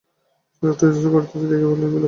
সে লোকটা ইতস্তত করিতেছে দেখিয়া বলিলেন, বিলক্ষণ!